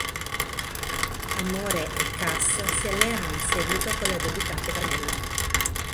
Amore e Cass si alleano in seguito con la debuttante Carmella.